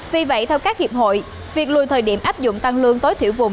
vì vậy theo các hiệp hội việc lùi thời điểm áp dụng tăng lương tối thiểu vùng